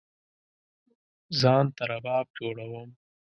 ځان ته رباب جوړوم